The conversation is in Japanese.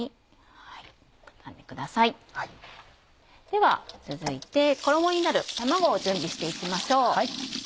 では続いて衣になる卵を準備して行きましょう。